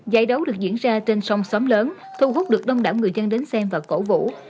giải đấu được diễn ra trên sông xóm lớn thu hút được đông đảo người dân đến xem và cổ vũ